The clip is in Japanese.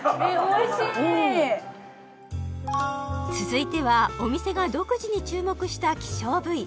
美味しい続いてはお店が独自に注目した希少部位